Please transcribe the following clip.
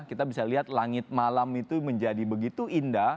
kita bisa lihat langit malam itu menjadi begitu indah